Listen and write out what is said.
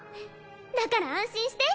だから安心して！